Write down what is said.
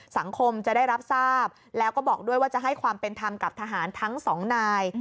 สังคมจะได้รับทราบแล้วก็บอกด้วยว่าจะให้ความเป็นธรรมกับทหารทั้งสองนาย